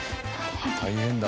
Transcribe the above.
大変だ。